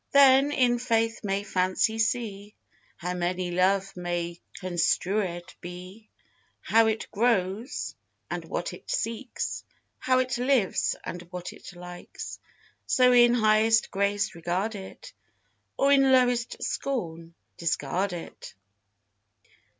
Then in faith may fancy see How my love may construèd be; How it grows and what it seeks; How it lives and what it likes; So in highest grace regard it, Or in lowest scorn discard it.